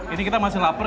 ini kita masih lapar